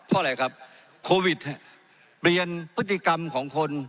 เพราะอะไรครับโควิดเปลี่ยนพฤติกรรมของคน